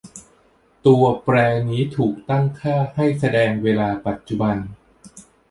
ตัวแปรนี้ถูกตั้งค่าให้แสดงเวลาปัจจุบัน